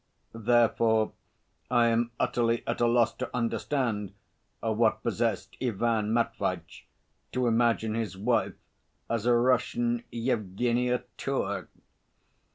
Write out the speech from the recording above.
Therefore I am utterly at a loss to understand what possessed Ivan Matveitch to imagine his wife as a Russian Yevgenia Tour?